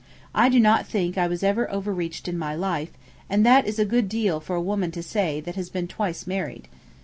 I do not think I was ever overreached in my life; and that is a good deal for a woman to say that has been twice married.